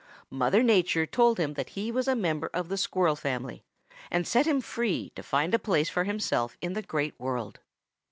Mother Nature told him that he was a member of the Squirrel family and set him free to find a place for himself in the Great World.